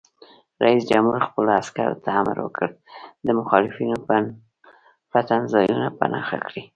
رئیس جمهور خپلو عسکرو ته امر وکړ؛ د مخالفینو پټنځایونه په نښه کړئ!